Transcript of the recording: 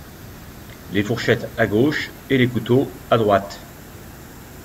Les fourchettes à gauche, et les couteaux à droite.